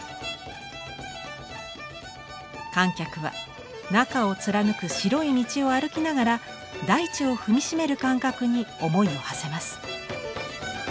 観客は中を貫く白い道を歩きながら大地を踏み締める感覚に思いをはせます。